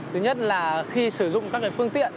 thứ nhất là khi sử dụng các phương tiện